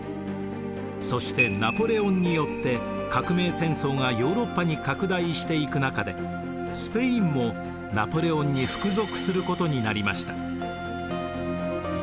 そしてナポレオンによって革命戦争がヨーロッパに拡大していく中でスペインもナポレオンに服属することになりました。